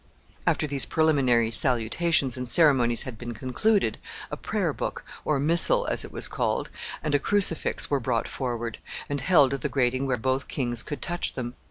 After these preliminary salutations and ceremonies had been concluded, a prayer book, or missal, as it was called, and a crucifix, were brought forward, and held at the grating where both kings could touch them.